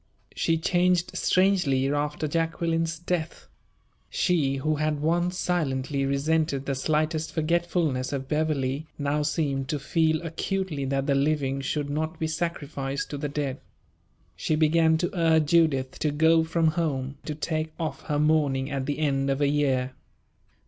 She changed strangely after Jacqueline's death. She, who had once silently resented the slightest forgetfulness of Beverley, now seemed to feel acutely that the living should not be sacrificed to the dead. She began to urge Judith to go from home; to take off her mourning at the end of a year.